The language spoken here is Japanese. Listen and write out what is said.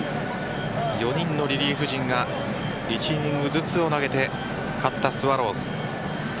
４人のリリーフ陣が１イニングずつを投げて勝ったスワローズ。